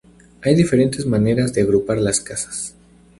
Hay diferentes maneras de agrupar las casas.